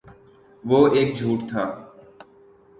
وہ ایک جھوٹ تھا